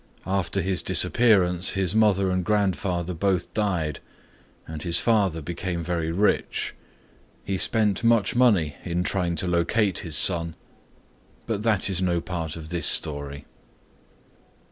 After his disappearance, his mother and grandfather both died and his father became very rich. He spent much money in trying to locate his son, but that is no part of this story.